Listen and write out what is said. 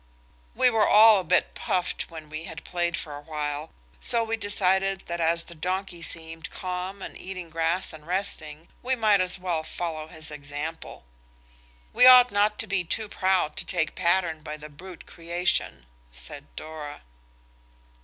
We were all a bit puffed when we had played for awhile, so we decided that as the donkey seemed calm and eating grass and resting, we might as well follow his example. "We ought not to be too proud to take pattern by the brute creation," said Dora.